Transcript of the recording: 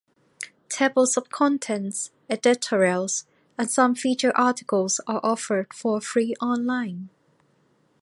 Tables of contents, editorials, and some featured articles are offered for free online.